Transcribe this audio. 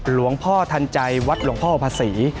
หลวงพ่อทันใจวัดหลวงพ่อภาษี